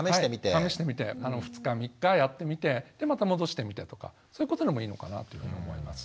試してみて２日３日やってみてでまた戻してみてとかそういうことでもいいのかなというふうに思います。